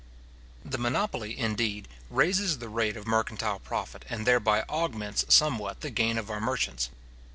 The monopoly, indeed, raises the rate of mercantile profit and thereby augments somewhat the gain of our merchants.